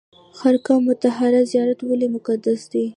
خرقه مطهره زیارت ولې مقدس دی؟